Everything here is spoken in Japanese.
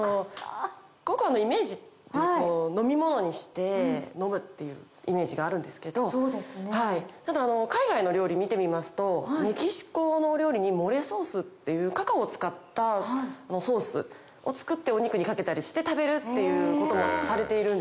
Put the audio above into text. ココアのイメージって飲み物にして飲むっていうイメージがあるんですけどただ海外の料理見てみますと。っていうカカオを使ったソースを作ってお肉にかけたりして食べるっていうこともされているんですね。